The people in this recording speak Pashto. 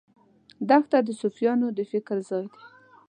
دښته د صوفیانو د فکر ځای دی.